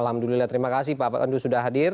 alhamdulillah terima kasih pak pandu sudah hadir